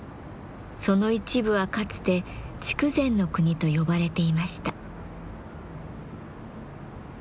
その一部はかつて筑前国と呼ばれていました。